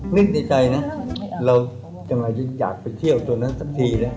นึกในใจนะเราจะมาอยากไปเที่ยวตัวนั้นสักทีนะ